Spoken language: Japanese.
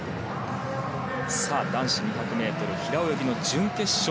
男子２００ｍ平泳ぎの準決勝